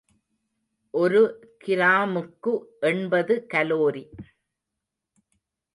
ஒரு கிராமுக்கு எண்பது கலோரி.